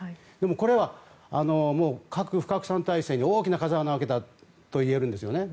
これは核不拡散体制に大きな風穴を開けたといえるんですね。